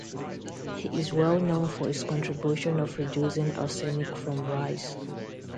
He is well known for his contribution of reducing arsenic from rice.